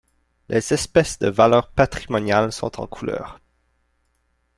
Les espèces de valeur patrimoniale sont en couleur.